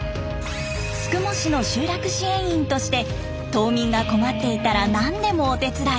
宿毛市の集落支援員として島民が困っていたら何でもお手伝い。